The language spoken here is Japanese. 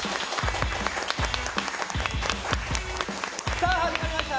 さぁ始まりました